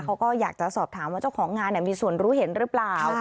เขาก็อยากจะสอบถามว่าเจ้าของงานมีส่วนรู้เห็นหรือเปล่า